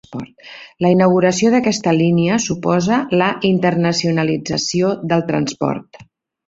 La inauguració d'aquesta línia suposa la internacionalització del transport.